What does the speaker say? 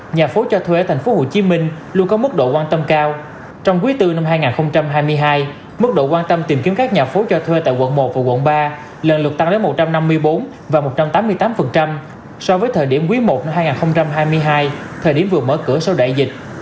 nhà phố cho thuê ở tp hcm luôn có mức độ quan tâm cao trong quý bốn năm hai nghìn hai mươi hai mức độ quan tâm tìm kiếm các nhà phố cho thuê tại quận một và quận ba lần lượt tăng đến một trăm năm mươi bốn và một trăm tám mươi tám so với thời điểm quý i năm hai nghìn hai mươi hai thời điểm vừa mở cửa sau đại dịch